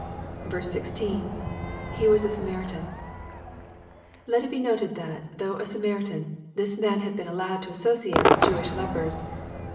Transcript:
16. — [He was a Samaritan.l Let it be noted that though a Samari tan, this man had been allowed to associate with Jewish lepers.